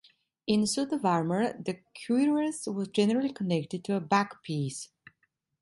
In a suit of armour, the cuirass was generally connected to a back piece.